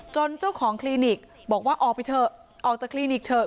เจ้าของคลินิกบอกว่าออกไปเถอะออกจากคลินิกเถอะ